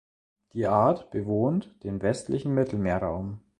Die Art bewohnt den westlichen Mittelmeerraum.